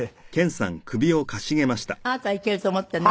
あなたいけると思ってるの？